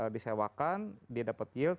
disewakan dia dapat yield